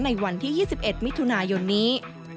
ในวันที่๒๑มิถุนายนนี้